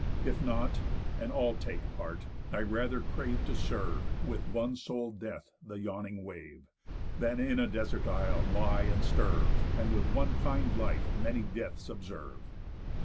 If not, and all take part, I rather crave To serve with one sole death the yawning wave, Than in a desert island lie and sterve, And with one pin'd life many deaths observe.